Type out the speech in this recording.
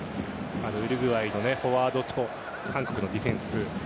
ウルグアイのフォワードと韓国のディフェンス。